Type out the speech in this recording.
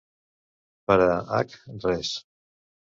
Per a H Res.